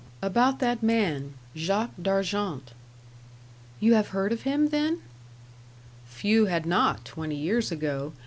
"About that man, Jacques D'Argent." "You have heard of him, then?" "Few had not, twenty years ago.